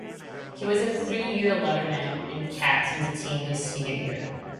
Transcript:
He was a three-year letterman, and captained the team his senior year.